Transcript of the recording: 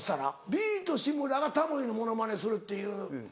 ビート志村がタモリのモノマネするっていう。